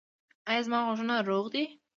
ایا زما غوږونه روغ دي؟